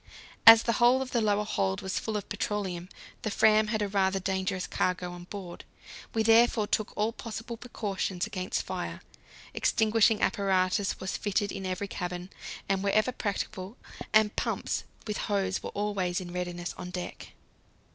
As the whole of the lower hold was full of petroleum, the Fram had a rather dangerous cargo on board. We therefore took all possible precautions against fire; extinguishing apparatus was fitted in every cabin and wherever practicable, and pumps with hose were always in readiness on deck.